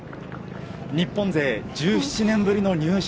日本勢１７年ぶりの入賞。